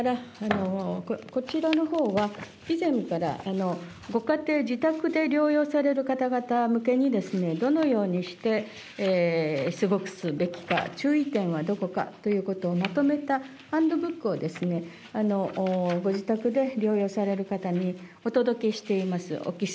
それからこちらですね、こちらのほうは、以前からご家庭、自宅で療養される方々向けにどのようにして過ごすべきか、注意点はどこかということをまとめたハンドブックをご自宅で療養される方にお届けしています。